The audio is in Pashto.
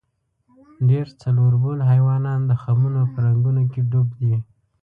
ډېر څلوربول حیوانان د خمونو په رنګونو کې ډوب دي.